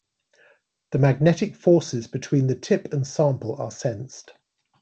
The magnetic forces between the tip and sample are sensed.